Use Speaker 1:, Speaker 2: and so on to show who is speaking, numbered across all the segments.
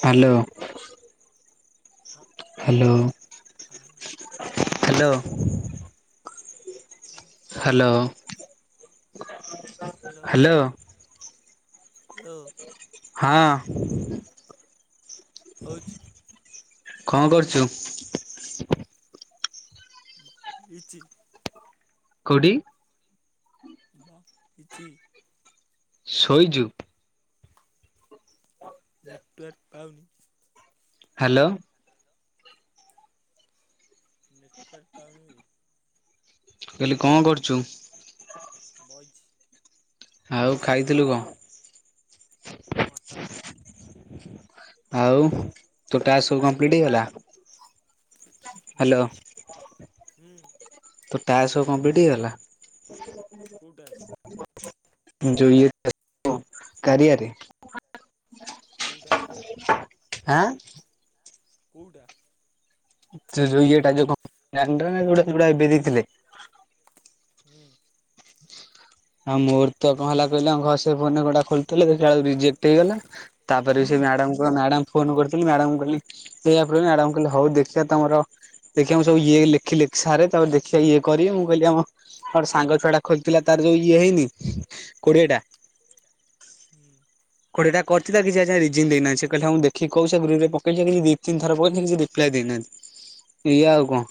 Speaker 1: Hello.
Speaker 2: [unintelligible]
Speaker 1: Hello, hello. Hello.
Speaker 2: Hello.
Speaker 1: ହଁ। କଣ କରୁଚୁ?
Speaker 2: ବଇଚି।
Speaker 1: କୋଉଠି?
Speaker 2: ବଇଚି।
Speaker 1: ଶୋଇଚୁ।
Speaker 2: ନେଟୱାର୍କ ପାଉନି।
Speaker 1: ହାଲୋ।
Speaker 2: ନେଟୱାର୍କ ପାଉନି ବେ।
Speaker 1: କହିଲି କଣ କରୁଛୁ?
Speaker 2: ବଇଛି।
Speaker 1: ଆଉ ଖାଇଥିଲୁ କଣ?
Speaker 2: ମଟନ।
Speaker 1: ଆଉ ତୋ ଟ୍ୟାସ୍କ ସବୁ କଂପ୍ଲିଟ୍ ହେଇଗଲା? ହାଲୋ ତୋ ଟ୍ୟାସ୍କ ସବୁ କଂପ୍ଲିଟ୍ ହେଇଗଲା? [unintelligible] ଯୋଉ ଇଏ [unintelligible] କାରିଆରେ? ହାଁ?
Speaker 2: କୋଉଟା?
Speaker 1: ସେଇ ଯୋଉ ଇଏଟା ଯୋଉ [unintelligible] ଯୋଉଗୁଡ଼ା ଏବେ ଦେଇଥିଲେ।
Speaker 2: ହୁଁ।
Speaker 1: ହଁ ମୋର ତ କଣ ହେଲା କହିଲେ ଘ ସେ ଫୋନ ଗୁଡ଼ା ଖୋଲୁଥିଲେ ଦେଖିଲା ବେଳକୁ ରିଜେକ୍ଟ୍ ହେଇଗଲା। ତା ପରେ ବି ସେ ମ୍ୟାଡ଼ାମ କୁ କହ ମ୍ୟାଡ଼ାମ ଫୋନ କରିଥିଲି ମ୍ୟାଡ଼ାମ୍ କୁ କହିଲି ସେଇଆ ପ୍ରୋ ମ୍ୟାଡ଼ାମ୍ କହିଲେ ଦେଖିଆ ତମର ଦେଖିବା ମୁଁ ସବୁ ଇଏ ଲେଖିଲେ ସାର୍ ତାପରେ ଦେଖ୍ୟା ଇଏ କରି ମୁଁ କହିଲି ଅ ଅର୍ ସାଙ୍ଗ ଛୁଆ ଟା ଖୋଲିଥିଲା ତାର ଯୋଉ ଇଏ ହେଇନି କୋଡ଼ିଏ ଟା
Speaker 2: ହୁଁ।
Speaker 1: କୋଡ଼ିଏ ଟା କରିଛି ତ କିଛି ଆଜିଯାଏଁ ରିଯିନ୍ ଦେଇନାହିଁ। ସେ କହିଲେ ହଁ ମୁ ଦେଖିକି କୋଉଚି ସେ ଗ୍ରୁପ୍ ରେ ପକେଇଚି କିନ୍ତୁ ଦି ତିନି ଥର ପକେଇଚି କିଛି ରି ପ୍ରାୟେ ଦେଇନାହାନ୍ତି। ଏଇଆ ଆଉ କଣ?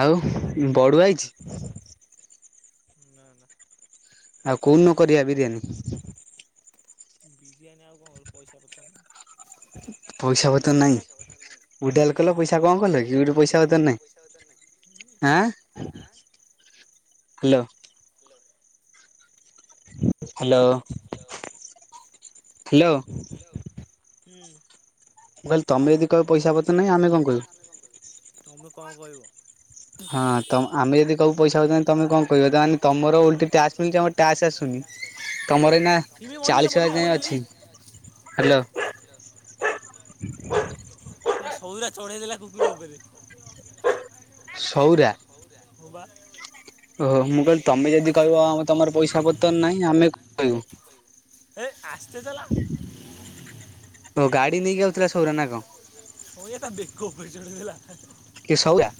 Speaker 1: ଆଉ ବଡୁଆ ହେଇଛି?
Speaker 2: ନା ନା।
Speaker 1: ଆଉ କୋଉ ଦିନ କରିବା ବିରିୟାନୀ?
Speaker 2: ବିରିୟାନୀ ଆଉ କଣ କୁ ପଇସା ପତ୍ର।
Speaker 1: ପଇସା ପତର ନାଇଁ।
Speaker 2: ୱିଦ୍ରଲ କଲ ପଇସା କଣ କଲକୀ ହେଇଠୁ ପଇସା ପତ୍ର ନାହିଁଁ ଆଁ?
Speaker 1: Hello.
Speaker 2: Hello.
Speaker 1: Hello.
Speaker 2: Hello.
Speaker 1: Hello.
Speaker 2: ଲୋ ହୁଁ।
Speaker 1: ତମୁଁ କହିଲି ତମେ ଯଦି କହିବ ପଇସା ପତ୍ର ନାଇଁ। ଆମେ କଣ କହିବୁ?
Speaker 2: ମେ କଣ କହିବୁ? ତମେ କଣ କହିବ? ହଁ ତ ଆମେ ଯଦି କହିବୁ ପଇସା ପତ୍ର ନାହିଁ ତମେ କଣ କହିବ? ଯାହା ହେଲେ ତମର ଗୋଟେ ଇବେ ମରିଗଲା ମରିଗଲା ମରିଗଲା ଏଇ ହ୍ୟାଲୋ। ଏ ସବୁୁରା ଚଢ଼େଇ ଦେଲା କୁକୁର ଉପରେ।
Speaker 1: ସୋଉରା ଓହୋ ମୁଁ କ ତମେ ଯଦି କହିବ ତମର ପଇସା ପତ୍ର ନାହିଁ। ଆମେ କଣ କହିବୁ?
Speaker 2: ଏଇ ଆସ୍ତେ ଚଲା।
Speaker 1: ଓ ଗାଡି ନେଇକି ଆଉଥିଲା ସୌର ନା କଣ?
Speaker 2: ଓୟେ ତା ବେକ ଉପରେ ଚଢେଇ ଦେଲା।
Speaker 1: କିଏ ସଉରା?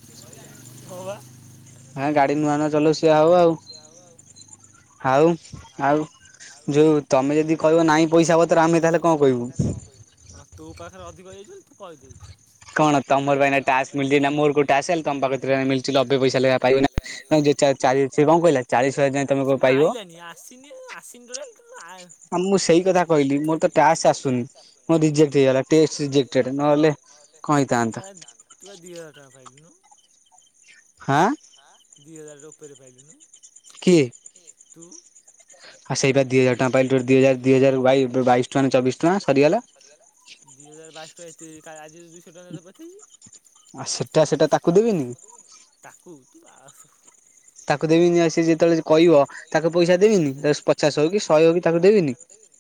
Speaker 1: ହଁ ଗାଡି ନୂଆ, ନୂଆ ଚଲେଇଲେ ସେଇଆ ହବ ଆଉ। ଆଉ, ଆଉ ଯୋଉ ତମେ ଯଦି କହିବ ନାଇଁ ପଇସା ପତ୍ର ଆମେ ତାହେଲେ କଣ କହିବୁ?
Speaker 2: ହଁ ତୋ ପାଖରେ ଅଧିକ ହେଇଯାଇଛି ବୋଲି ତୁ କହିଦେଉଛୁ। କଣ ତମର ପା ଏନା ଟାସ୍କ ମିଳିଛି ନା ମୋର କୋଉ ଟାସ୍କ ତ ତମକୁ କେତେ ଟଙ୍କା ମିଳିଚି ଦ ଲେ ଆଇଲାନୀ ଆସିନିବେ ଆସିନି କେବେ ନାଇ। ତୁ ଆଜ୍ ତୁ ପା ଦି ହଜାର ଟଙ୍କା ଫାଇଲୁନୁ।
Speaker 1: ହଁ।
Speaker 2: ଦି ହଜାର ର ଉପରେ ପାଇଲୁନୁ, ତୁ।
Speaker 1: ଆ ସେଇପା ଦି ହଜାର ଟଙ୍କା ପାଇଲି। [unintelligible] ଦି ହଜାର ବାଇ, ଦି ହଜାର ବାଇଶ ଟଙ୍କା ନା ଚବିଶ ଟଙ୍କା ସରିଗଲା।
Speaker 2: ସରିଗଲା। ଦି ହଜାର ବାଇଶ ଟଙ୍କା ଏ ସେ କାଳେ ଆଜି ଦୁଇଶହ ଟଙ୍କା ତୋତେ ପଠେଇଚି। ତାକୁ ତୁ ବା
Speaker 1: ତାକୁ ଦେବିନି ଆଉ ସେ ଯେତେବେଳେ ଯେ କଇବ ତାକୁ ପଇସା ଦେବିନି। ଦଶ ପଚାଶ ହଉ କି ଶହେ ହଉ କି ତାକୁ ଦେବିନି।
Speaker 2: ଦେବନି।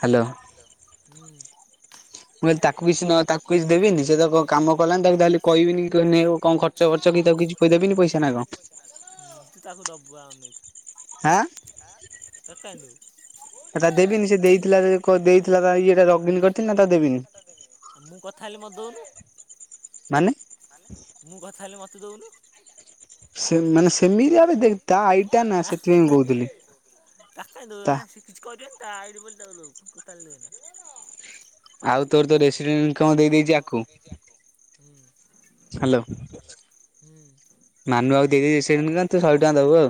Speaker 1: ହାଲୋ।।
Speaker 2: ଉଁ,
Speaker 1: ମୁଁ କହିଲି ତାକୁ କିସି ନ ତାକୁ କିଛି ଦେବିନି। ସିଏ ତ କ-କାମ କଲାନି, ତାକୁ ତାହେଲେ କହିବିନି କି କିହ ନେଅ କଣ ଖର୍ଚ୍ଚ ବର୍ଚ କି ତାକୁ କିଛି ତ ଦେବିନି ପଇସା ନା କଣ?
Speaker 2: ହୁଁ, ତୁ ତାକୁ ଦବୁ ଆ, ଅନେଇଥା। ତାକୁ କାଇଁ ଦବୁ?
Speaker 1: କ- ଦେଇଥିଲା ତା ଇଏଟା ଲଗଇନ୍ କରିଥିନି ନା ତାକୁ ଦେବିନି।
Speaker 2: ଆ, ମୁଁ କଥା ହେଲି ମୋତେ ଦଉନୁ।
Speaker 1: ମାନେ?
Speaker 2: ମୁଁ କଥା ହେଲି ମୋତେ ଦଉନୁ। ଆ, ହେ, ହେ। ତାକୁ କାଇଁ ଦବୁ ଆଁ, ସିଏ କିଛି କରିବନି ତା ଆଇଡି ବୋଲି ତାକୁ ଦବୁ ଟୁ-ଟୁଟାଲି ଦେନା। ଆଉ ତୋର ତ ରେସିଡେଣ୍ଟ କଣ ଦେଇଦେଇଚି ଆକୁ। ହୁଁ, ହାଲୋ, ହୁଁ।
Speaker 1: ମାନୁଆକୁ ଦେଇଦେଇଚି ସେନିକା ତୁ ଶହେ ଟଙ୍କା ଦବୁ।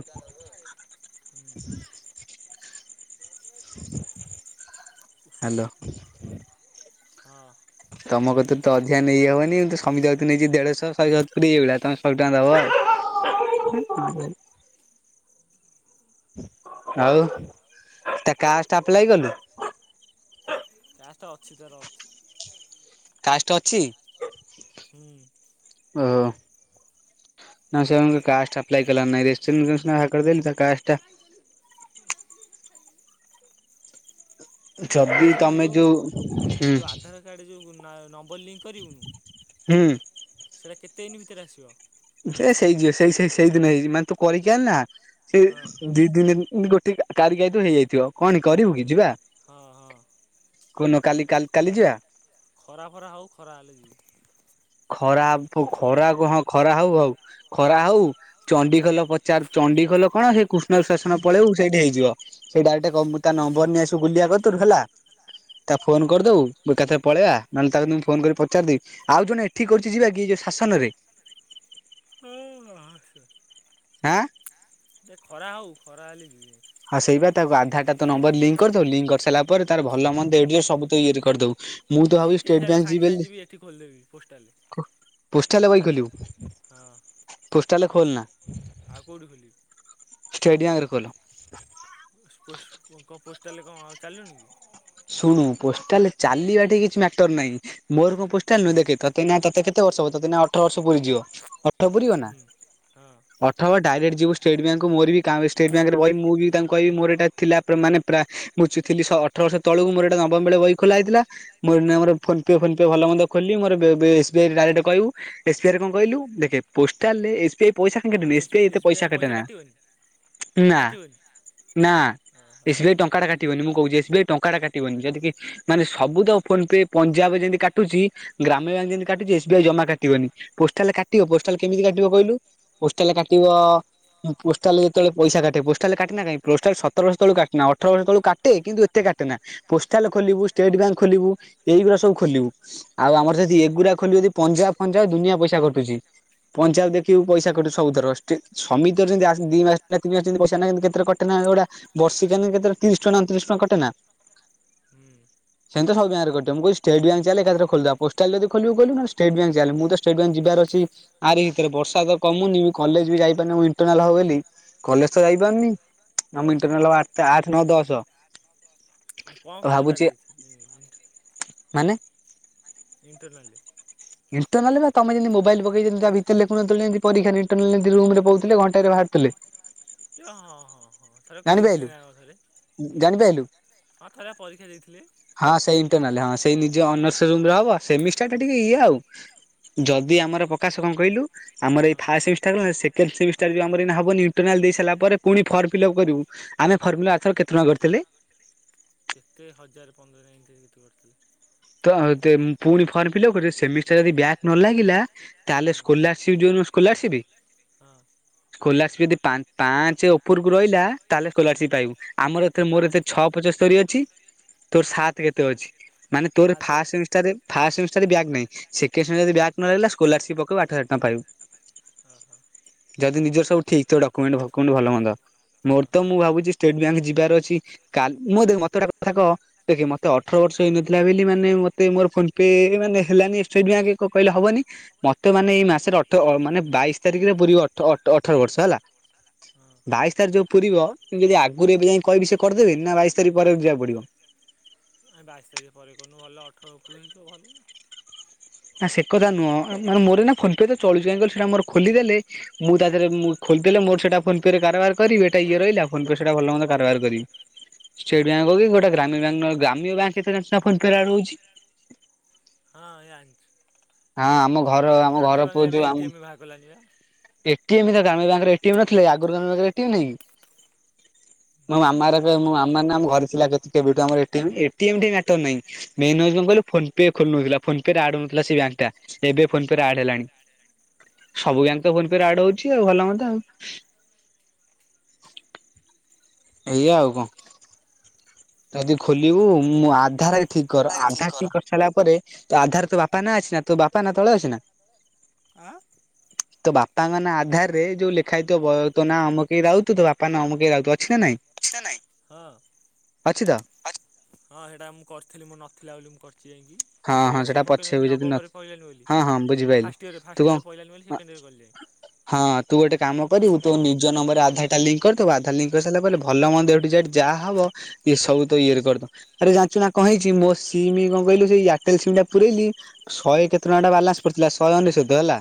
Speaker 2: ହଁ।
Speaker 1: ତୋମ କତିରୁ ତ ଅଧିଆ ନେଇ ହବନି। କିନ୍ତୁ ସମିତା କତିରୁ ନେଇଚି ଦେଢଶହ ଶହେ ସତୁରି ଏଇ ଭଳିଆ। ତୋମେ
Speaker 2: ଆହୁରି ଆସୁ।
Speaker 1: ହଁ କଣ କହିଲୁ? ଆଉ ତା କାଷ୍ଟ ଆପ୍ଲାଏ କଲୁ?
Speaker 2: କାଷ୍ଟ ଅଛି ତାର ଅଛି।
Speaker 1: କାଷ୍ଟ ଅଛି?
Speaker 2: ହୁଁ।
Speaker 1: ଓ ହୋ। ନା ସେ ମୁ କାଷ୍ଟ ଆପ୍ଲାଏ କଲା ନାଇ ରେସିଡେଣ୍ଟ [inaudible] ସିନା ବାହାର କରିଦେଲି। ତା କାଷ୍ଟ ଟା
Speaker 2: ଉହୁଁ ଯୋଉ ଶୁଣୁ ଯୋଉ ଯୋଉ ଆଧାର କାର୍ଡ ଯୋଉ ନା ନମ୍ବର୍ ଲିଙ୍କ କରିବୁନୁ?
Speaker 1: ହୁଁ।
Speaker 2: ସେଟା କେତେ ଦିନି ଭିତରେ ଆସିବ?
Speaker 1: ସେ ସେଇ ଯିଅ ସେଇ ସେଇ ସେଇଦିନ ହେଇଚି। ମାନେ ତୁ କରିକି ଆନା। ସେଇ ଦି ତି ଦିନ ଏମତି ଗୋଟେ କାରିକି ଆଇଥିବୁ ହେଇଯାଇଥିବ। କଣ କରିବୁ କି ଯିବା?
Speaker 2: ହଁ, ହଁ।
Speaker 1: କୋଉ ନ କାଲି କାଲ, କାଲି ଯିବା?
Speaker 2: ଖରା ଫରା ହଉ, ଖରା ହେଲେ ଯିବି।
Speaker 1: ଖରା ପୁ- ଖରାକୁ ହଁ ଖରା ହଉ ହଉ। ଖରା ହଉ ଚଣ୍ଡୀଖୋଲ ପଚାର ଚଣ୍ଡିଖୋଲ କଣ ସେ କୃଷ୍ଣଶେସନ ପଳେଇବୁ ସେଇଠି ହେଇଯିବ। ସେଇ ଡାଇରେଟ କ- ମୁଁ ତା ନମ୍ବର୍ ନେଇ ଆସିବୁ ଗୁଲିଆ କତୁରୁ ହେଲା। ତା ଫୋନ୍ କରିଦବୁ ଗୋଟା ଥର ପଳେଇବା। ନନେ ତାକୁ ନନେ ଫୋନ୍ କରି ପଚାର ଦେ। ଆଉ ଜଣେ ଠି କରଛି ଯିବା କି ଯେ ଶାସନରେ?
Speaker 2: [unintelligible]
Speaker 1: ଆଁ?
Speaker 2: ଦେ ଖରା ହେଉ ଖରା ହେଲେ ଯିବି।
Speaker 1: ହଁ ସେଇ ବା ତା ଆଧାର ଟା ତୋ ନମ୍ବର ଲିଙ୍କ କରିଦଉ ଲିଙ୍କ କରିସାରିଲା ପରେ ତାର ଭଲ ମନ୍ଦ ଏ ଠୁ ଯେଡ ସବୁ ଇଏ କରିଦବୁ।
Speaker 2: ଲିଙ୍କ ହେଇଗଲେ ସାଙ୍ଗେ ସାଙ୍ଗ ଯିବି ଏଠି ଖୋଲିଦେବି ପୋଷ୍ଟାଲ୍ ରେ।
Speaker 1: କୋ ପୋଷ୍ଟାଲ ରେ ବହି ଖୋଲିବୁ?
Speaker 2: ହଁ।
Speaker 1: ପୋଷ୍ଟାଲ ରେ ଖୋଲନା।
Speaker 2: ଆଉ କେଉଠି ଖୋଲିବି?
Speaker 1: ଷ୍ଟେଟ ବ୍ୟାଙ୍କ ରେ ଖୋଲ।
Speaker 2: ପୁସ୍ ପୁସ କ ପୋଷ୍ଟାଲ କଣ ଚାଲୁଣିି କି?
Speaker 1: ଶୁଣୁ ପୋଷ୍ଟାଲ ରେ ଚାଲିବା ଠି କିଛି ମ୍ୟାଟର ନାଇଁ ମୋର କଣ ପୋଷ୍ଟାଲ ନୁହଁ ଦେଖେ ତତେ ନା ତତେ କେତେ ବର୍ଷ ହବ ତତେ ଏନା ଅଠର ବର୍ଷ ପୁରୀ ଯିବ ଅ ଅଠ ପୂରିବନା ଅଠ ହବ ଡାଇରେଟ ଯିବୁ ଷ୍ଟେଟ୍ ବ୍ୟାଙ୍କ ମୋର ବି କାଏ ବେ ଷ୍ଟେଟ ବ୍ୟାଙ୍କରେ କଇବି ମୁଁ ବି ତାଙ୍କୁ କହିବି ମୋର ଏଇଟା ଥିଲା ମାନେ ପ୍ରା ମୁଁ ଥିଲି ସ ଅଠର ବର୍ଷ ତଳକୁ ମୋର ଏଟା ନବମ ବଳେ ବଇ ଖୋଲା ହେଇଥିଲା। ମୋର ନା ମୋର ଫୋନ୍ ପେ ଫୋନ୍ ପେ ଭଲ ମନ୍ଦ ଖୋଲିବି ମୋର ଏସବିଆଇ ଡାଇରେକ୍ଟ କହିବୁ। ଏସ ବି ଆଇ ରେ କଣ କହିଲୁ ଦେଖେ ପୋଷ୍ଟାଲ ରେ ଏସ ବି ଆଇ ପଇସା କାଇଁ କଟେନା ଏସ ବିି ଆଇ ଏତେ ପଇସା କାଟେ ନା। ନା ନା ଏସ ବି ଆଇ ଟଙ୍କାଟା କାଟିବନି ମୁଁ କହୁଛି ଏସ ବି ଆଇ ଟଙ୍କା ଟା କାଟିବନି ଯଦି କି ମାନେ ସବୁ ତ ଫୋନ ପେ ପଞ୍ଜାବ ଯେମିତି କାଟୁଚି ଗ୍ରାମ୍ୟ ବ୍ୟାଙ୍କ ଯେମିତି କାଟୁଚି ଏସ୍ ବି ଆଇ ଜମା କାଟିବନି। ପୋଷ୍ଟାଲରେ କାଟିବ ପୋଷ୍ଟାଲରେ କେମିତି କାଟିବ କହିଲୁ ପୋଷ୍ଟାଲରେ କାଟିବ ହଁ ପୋଷ୍ଟାଲ ରେଯେତେବେଳେ ପଇସା କାଟେ ପୋଷ୍ଟାଲ ରେ କାଟେ ନା କାଇଁ ପୋଷ୍ଟାଲ ସତର ବର୍ଷ ତଳୁ କାଟେନା ଅଠର ବର୍ଷ ତଳୁ କାଟେ କିନ୍ତୁ ଏତେ କା ଟେନା। ପୋଷ୍ଟାଲ ଖୋଲିବୁ ଷ୍ଟେଟ ବ୍ୟାଙ୍କ ଖୋଲିବୁ ଏଇଗୁଡା ସବୁ ଖୋଲିବୁ। ଆଉ ଆମର ଯଦି ଏଗୁୁରା ଖୋଲିବ ଯଦି ପଞ୍ଜାବ ଫଞ୍ଜାବ ଦୁନିଆ ପଇସା କଟୁଚି। ପଞ୍ଜାବ ଦେଖିବୁ ପଇସା କଟୁଚି ସବୁଥର ଷ୍ଟି ସମିତି ଙ୍କ ର ଯେମିତି ଆ ଦି ମାସ ତିନି ମାସ ପଇସା ନାହି କିନ୍ତୁ କେତେ ଥର୍ କ ଟେନା ଏଗୁଡା ବର୍ଷିକିଆ କେତେ ତିରିଶ ଟଙ୍କା ନା ଅଣତିରିଶ ଟଙ୍କା କଟେ ନା?
Speaker 2: ହୁଁ।
Speaker 1: ସେମିତି ତ ସବୁ ବ୍ୟାଙ୍କରେ କଟିବ ମୁଁ କହିବି ଷ୍ଟେଟ ବ୍ୟାଙ୍କ ଚାଲେ ଏକାଥରେ ଖୋଲିଦବା ପୋଷ୍ଟାଲ ରେ ଯଦି ଖୋଲିବୁ ଖୋଲିବୁ ନହେଲେ ଷ୍ଟେଟ ବ୍ୟାଙ୍କ ଚାଲେ ମୁଁ ତ ଷ୍ଟେଟ ବ୍ୟାଙ୍କ ଯିବାର ଅଛି। ଆରି ଭିତରେ। ବର୍ଷା ତ କମୁନି ମୁଁ କଲେଜ ବି ଯାଇପାରୁନି ମୁଁ ଇଣ୍ଟରନାଲ ହବ ବୋଲି। କଲେଜ ତ ଯାଇପାରୁନି ଆମ ଇଣ୍ଟରନାଲ ହବ ଆଠ ଆଠେ ନଅ ଦଶ।
Speaker 2: କଣ କଣ ଦରକାର ଏଇଥି ଏଇ
Speaker 1: ମାନେ?
Speaker 2: ଇଣ୍ଟର୍ନାଲ ରେ?
Speaker 1: ଇଣ୍ଟରନାଲ୍ ରେ ବା ତମେ ଯେମିତି ମୋବାଇଲ ପକେଇ ଯେମିତି ତା ଭିତରେ ଲେଖୁନଥିଲ ଏମିତି ପରୀକ୍ଷା ରେ ଇଣ୍ଟର୍ନାଲ ରେ ଏମିତି ରୁମ ରେ ବଉଥିଲେ ଘଂଟାଏ ବା ଥିଲେ।
Speaker 2: କି ହଁ ହଁ ହଁ ଥରେକ ଦେଇଥିବେ ନା କ ଥରେ। ହଁ ଥରେ ପରୀକ୍ଷା ଦେଇଥିଲେ?
Speaker 1: ହଁ ସେଇ ଇଣ୍ଟରନାଲ ହଁ ସେଇ ନିଜ ଅନର୍ସ ରୁମରେ ହବ ସେମିଷ୍ଟାର ଟା ଟିକେ ଇଏ ଆଉ। ଯଦି ଆମର ପ୍ରକାଶ କଣ କହିଲୁ ଆମର ଏଇ first semester second semester ବି ଆମର ଏଇନା ହବନି ଇଣ୍ଟରନାଲ ଦେଇସାରିଲା ପରେ ପୁଣି ଫର୍ମ ଫିଲ ଅପ୍ କରିବୁ। ଆମେ ଫର୍ମ ଫିଲ ଅପ୍ ଆରଥର କେତେ ଟଙ୍କା କରିଥିଲେ?
Speaker 2: କେତେ ହଜାର ପନ୍ଦର [unintelligible] ଏମିତି କେତେ ଗୋଟେ କରିଥିଲେ।
Speaker 1: ତ ତେ ପୁଣି ଫର୍ମ ଫିଲପ କଟିବ ସେମିଷ୍ଟର ଯଦି ବ୍ୟାକ୍ ନ ଲାଗିଲା ତାହେଲେ ସ୍କୋଲା ସିପ [unintelligible] ସ୍କୋଲାରସିପ୍।
Speaker 2: ହଁ।
Speaker 1: ସ୍କୋଲାରସିପ ଯଦି ପା-ପାଞ୍ଚ ଉପରକୁ ରହିଲା ତାହେଲେ ସ୍କୋଲାରସିପ ପାଇବୁ। ଆମର ଏଥର ମୋର ଏଥର ଛଅ ପଚସ୍ତରୀ ଅଛି ତୋର ସାତ କେତେ ଅଛି ମାନେ ତୋର ଫାସ ସେମିଷ୍ଟାର ରେ ଫାର୍ଷ୍ଟ ସେମିଷ୍ଟାରରେ ବ୍ୟାକ ନାହିଁ ସେକେଣ୍ଡ ସେମିଷ୍ଟାର ରେ ଯଦି ବ୍ୟାକ ନ ଲାଗିଲା ସ୍କୋଲାରସିପ ପକେଇବୁ ଆଠ ହଜାର ଟଙ୍କା ପାଇବୁ।
Speaker 2: ଓହୋ।
Speaker 1: ଯଦି ନିଜର ସବୁ ଠିକ ଡକ୍ୟୁମେଣ୍ଟ ଫକ୍ୟୁମେଣ୍ଟ ଭଲ ମନ୍ଦ। ମୋର ତ ମୁଁ ଭାବୁଛି ଷ୍ଟେଟ ବ୍ୟାଙ୍କ ଯିବାର ଅଛି। କାଲ ମୁଁ ଦେଖ ମତେ ଗୋଟେ କଥା କହ ଦେଖେ ମତେ ଅଠର ବର୍ଷ ହେଇନ ଥିଲା ବୋଲି ମାନେ ମତେ ମୋର ଫୋନ ପେ ମାନେ ହେଲାନି। ଷ୍ଟେଟ୍ ବ୍ୟାଙ୍କରେ କ-କହିଲେ ହବନି। ମତେ ମାନେ ଏଇ ମାସରେ ଅଠର ଅ ମାନେ ବାଇଶି ତାରିଖରେ ପୁରିବ ଅଠ ଅଠ ଅଠର ବର୍ଷ ହେଲା। ବାଇଶ ତାରିଖ ଯୋଉ ପୁରିବ ଯଦି ଆଗରୁ ଏବେ ଯାଇ କହିବି ସେ କରିଦେବେନି ନା ବାଇଶ ତାରିଖ ପରେ ଯିବାକୁ ପଡିବ।
Speaker 2: ଆଁ ବାଇଶ ତାରିଖ ପରେ କରୁନୁ ଭଲ ଅଠର ଉପରୁ ହେଇଯିବ ଭଲ ନା।
Speaker 1: ନା ସେ କଥା ନୁହଁ ମାନେ ଅଁ ମୋର ଏଇନା ଫୋନ୍ ପେ ତ ଚଳୁଛି କାହିଁକି କହିଲ ସେଟା ମୋର ଖୋଲି ଦେଲେ। ମୁଁ ତାଧିଅରେ ମୁଁ ଖୋଲି ଦେଲେ ମୋର ସେଟା ଫୋନ ପେ ରେ କାରବାର କରିବି ଏଟା ଇଏ ରହିଲା ଫୋନ ପେ ସେଟା ଭଲ ମନ୍ଦ କାର ବାର କରିବି। ଷ୍ଟେଟ୍ ବ୍ୟାଙ୍କ କୁ ବି ଗୋଟେ ଗ୍ରାମୀଣ ବ୍ୟାଙ୍କ ନ ଗ୍ରାମୀୟ ବ୍ୟାଙ୍କ କେତେ ଜାଣିଚୁ ନା ଫୋନ ପେ ରେ ଆଡ ହଉଚି।
Speaker 2: ହଁ ଏଇ ଜାଣିଚୁ।
Speaker 1: ଆଁ ଆମ ଘର ଆମ ଘର ପୁଅ ଯୋଉ ଆମ
Speaker 2: ବାହା କଲାନି ପା।
Speaker 1: ଏଟି ଏ ମ୍ ସେଟା ଗ୍ରାମ୍ୟ ବ୍ୟାଙ୍କରେ ଏଟି ଏ ମ୍ ନଥିଲା ଆଗରୁ ଗ୍ରାମ୍ୟ ବ୍ୟାଙ୍କରେ ଏଟି ଏ ମ୍ ନାଇଁ କି? ମୋ ମାମା ର ଯୋଉ ମୋ ମାମା ର ନା ଆମ ଘରେ ଥିଲା ଯେତେ କେବେଠୁ ଆମର ଏ T A M A T M ଠି ମ୍ୟାଟର ନାଇ। ମେନ କଥା କଣ କହିଲୁ ଫୋନ ପେ ଖୋଲୁ ନଥିଲା ଫୋନ ପେ ରେ ଆଡ ହଉନଥିଲା ସେ ବ୍ୟାଙ୍କ ଟା ଏବେ ଫୋନ ପେ ରେ ଆଡ ହେଲାଣି। ସବୁ ବ୍ୟାଙ୍କ୍ ତ ଫୋନ ପେ ରେ ଆଡ ହଉଛି ଆଉ ଭଲ କଥା ଆଉ। ଏଇଆ ଆଉ କଣ? ଯଦି ଖୋଲିବୁ ମୁଁ ଆଧାର ଠିକ କର ଆଧାର ଠିକ କରିସାରିଲା ପରେ। ତ ଆଧାର ତୋ ବାପା ନା ଅଛି ନା ତୋ ବାପା ନା ତଳେ ଅଛି ନା?
Speaker 2: [inaudible]
Speaker 1: [unintelligible] ତ ବାପାଙ୍କ ନାଁ ଆଧାର ରେ ଯୋଉ ଲେଖା ଥିବ ବୟ ତ ନାଁ ଆମକହି ରହୁଥୁ ତ ବାପା ନାଁ ଆମକହି ରହୁଥୁ ଅଛି ନା ନାଇଁ?
Speaker 2: ହଁ।
Speaker 1: ଅଛିଦା
Speaker 2: ହଁ ସେଇଟା ମୁଁ କରିଥିଲି ମୋର ନଥିଲା ବୋଲି ମୁଁ କରିଛି ଯାଇଁକି ଯେଉଁ କଲାରସିପ ପକେଇଲେଣି ନବମରେ ପେଇଲାନି ବୋଲି, ଫାଷ୍ଟ ଇୟରେ ଫଷ୍ଟ ଇୟରେ ପେଇଲାନି ବୋଲି ସେକଣ୍ଡ ଇୟରେ କଲି।
Speaker 1: ହଁ ତୁ ଗୋଟେ କାମ କରିବୁ ତୋ ନିଜ ନମ୍ବରରେ ଆଧାର ଲିଙ୍କ କରିଦିବୁ। ଆଧାର ଲିଙ୍କ କରିସାରିଲା ପରେ ଭଲ ମନ୍ଦ ଏଠି ଯାଇ ଯାହା ହବ ଇଏ ସବୁ ତ ଇରେ କରିଦଉ ଆରେ ଜାଣିଛୁ ନା କଣ ହେଇଛି ମୋ ସିମି କଣ କହିଲୁ ସେଇ ଏୟାରଟେଲ ସିମ୍ ଟା ପୁରଲି ଶହେ କେତେ ଟଙ୍କା ଟା ବାଲାନ୍ସ ପଡିଥିଲା ଶହେ ଅନେଶତ ହେଲା।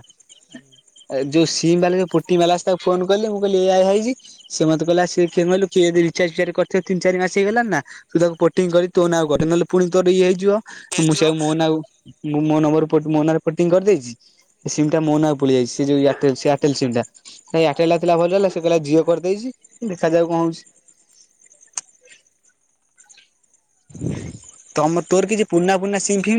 Speaker 1: ଯୋଉ ସିମ୍ ବାଲା ପୁଟି ମାଲା ତାକୁ ଫୋନ କଲେ ମୁଁ କହିଲି ଏଇଆ ହେଇଛି। ସେ ମତେ କହିଲ ସ ସେଏ କହିଲ କିଏ ଯଦ ରିଚାର୍ଜଚାର କରିଥିବ ତିନ ଚାରି ମାସ ହେଇଗଲାଣି ନା। ତୁ ତାକୁ ପୋଟିଂ କରି ତୋ ନାଁ କେଇ ନହେଲେ ପୁଣି ତୋର ଇ ହେଇଯିବ ମୁଁ ସେ ମୋ ନାଁଉ ମୁଁ ମୋ ନମ୍ବର ମୋ ନାଁରେ ଫୋଟିଂ କରିଦେଇଛି। ସେ ସି ଟା ମୋନା ପଳ ଯାଇଛି ସେ ଯଉ ଏୟ ସେୟାରଟେଲ ସିମ୍ ଟା ସେଇ ଆଟେଲା ଥିଲା ଭଲ ହେଲା ସେ କହିଲ ଜିଓ କରିଦେଇଛି ଦେଖାଯ ଯାଉ କଣ ହଉଛି। ତମ ତୋର କିଛି ପୁରୁଣା ପୁରୁଣା ସିମ୍ ଫିମ୍ ନାଁ